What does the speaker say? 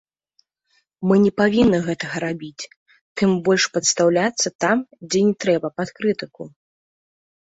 Мы не павінны гэтага рабіць, тым больш падстаўляцца там, дзе не трэба, пад крытыку.